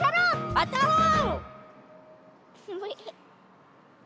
わたろう！